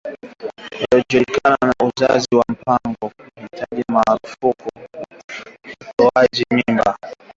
uliojulikana kama uzazi wa mpango haijapiga marufuku utoaji mimba